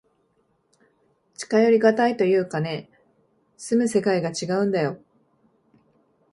近寄りがたいというかね、住む世界がちがうんだよ。